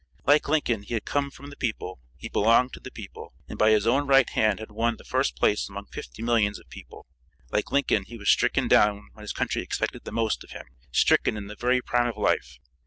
Like Lincoln, he had come from the people, he belonged to the people, and by his own right hand had won the first place among fifty millions of people. Like Lincoln, he was stricken down when his country expected the most of him, stricken in the very prime of life.